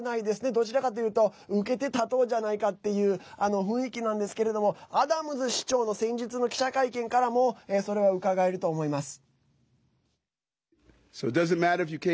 どちらかというと受けて立とうじゃないかっていう雰囲気なんですけどもアダムズ市長の先日の記者会見からもそれは、うかがえると思います。